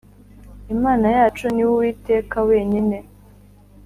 Imana yacu ni we Uwiteka wenyine